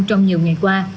trong nhiều ngày qua